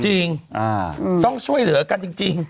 จริงต้องช่วยเหลือกันจริง